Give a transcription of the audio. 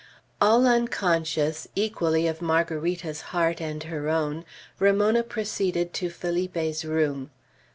All unconscious, equally of Margarita's heart and her own, Ramona proceeded to Felipe's room.